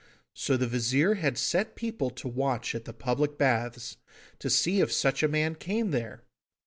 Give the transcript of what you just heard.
So the Vizir had set people to watch at the public baths, to see if such a man came there.